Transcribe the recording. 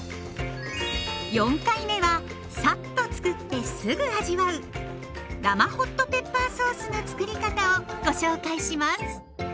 ４回目はさっとつくってすぐ味わう生ホットペッパーソースのつくり方をご紹介します。